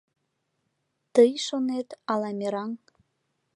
Тый шонет, ала мераҥ